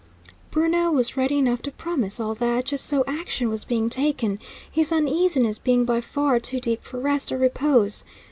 Bruno was ready enough to promise all that, just so action was being taken, his uneasiness being by far too deep for rest or repose.